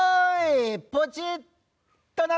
ポチッとな。